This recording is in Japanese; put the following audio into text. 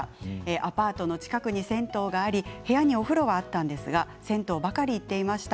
アパートの近くに銭湯があり部屋にお風呂はあったんですが銭湯にばかり行っていました。